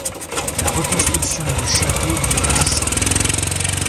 La reconstruction du château dure dix ans.